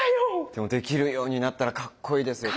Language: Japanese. でもできるようになったらかっこいいですよ。